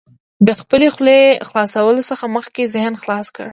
د خپلې خولې خلاصولو څخه مخکې ذهن خلاص کړه.